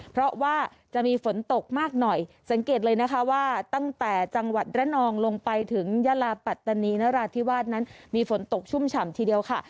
เพราะว่าจะมีฝนตกมากหน่อยสังเกตเลยนะคะว่าตั้งแต่จังหวัดระนองลงไปถึงยาลาปัตตานีนราธิวาสนั้นมีฝนตกชุ่มฉ่ำทีเดียวค่ะ